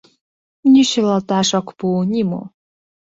Ни шӱлалташ ок пу, ни мо.